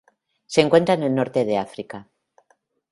Se encuentra en el norte de África.